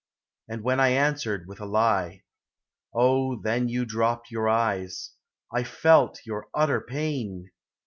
And when I answered with a lie. Oh then You dropped your eyes. I felt your utter pain.